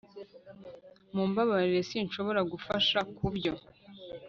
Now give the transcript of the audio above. Mumbabarire sinshobora kugufasha kubyo